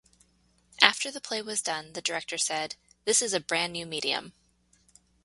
After the play was done, the director said, This is a brand-new medium.